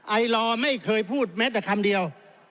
ไอลอไม่เคยพูดแม้แต่คำเดียว